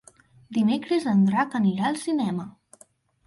Dimecres en Drac anirà al cinema.